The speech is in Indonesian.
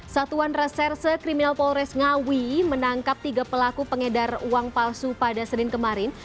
satuan reserse kriminal polres ngawi menangkap tiga pelaku pengedar uang palsu pada senin kemarin